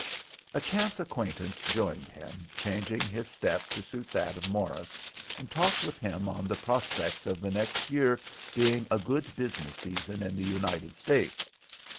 A chance acquaintance joined him, changing his step to suit that of Morris, and talked with him on the prospects of the next year being a good business season in the United States.